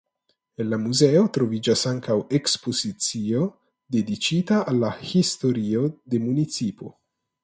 En la muzeo troviĝas ankaŭ ekspozicio dediĉita al la historio de municipo.